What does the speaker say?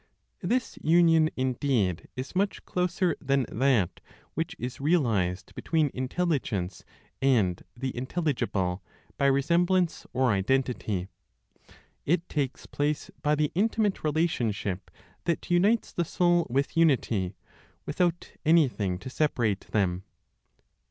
This union, indeed, is much closer than that which is realized between Intelligence and the intelligible by resemblance or identity; it takes place by the intimate relationship that unites the soul with unity, without anything to separate them.